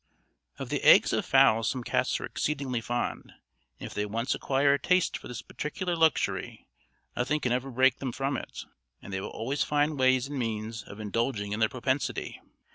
Of the eggs of fowls some cats are exceedingly fond, and if they once acquire a taste for this particular luxury, nothing can ever break them from it, and they will always find ways and means of indulging in the propensity.